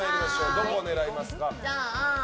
どこ狙いますか。